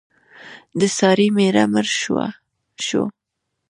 د سارې مېړه مړ شو.